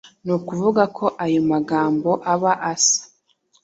Ni ukuvuga ko ayo magambo aba asa